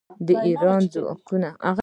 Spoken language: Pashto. د ایران ځنګلونه ساتل کیږي.